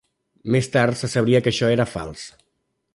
Més tard se sabria que això era fals.